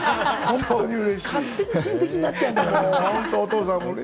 勝手に親戚になっちゃうんだから。